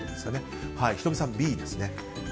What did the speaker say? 仁美さん、Ｂですね。